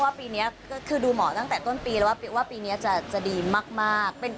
ปีนี้ก็คือดูหมอตั้งแต่ต้นปีแล้วว่าปีนี้จะดีมาก